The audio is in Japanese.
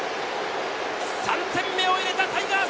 ３点目を入れたタイガース！